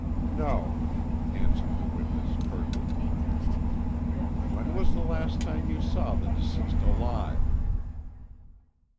"No," answered the witness curtly. "When was the last time you saw the deceased alive?"